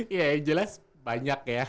iya jelas banyak ya